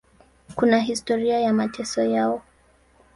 Kuna historia ya mateso yao.